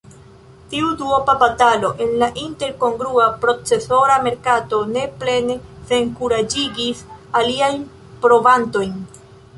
Tiu duopa batalo en la Intel-kongrua procesora merkato ne plene senkuraĝigis aliajn provantojn.